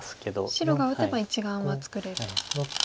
白が打てば１眼は作れると。